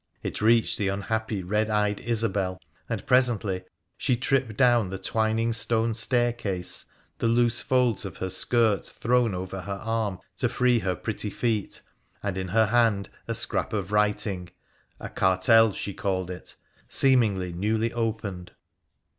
It reached the unhappy, red eyed Isobel, and presently she tripped down the twining stone staircase, the loose folds of her skirt thrown over her arm to free her pretty feet, and in her hand a scrap of writing, a ' cartel ' she called it, seeming newly opened.